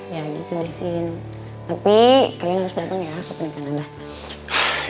ya gitu deh sin tapi kalian harus datang ya ke peningkan abah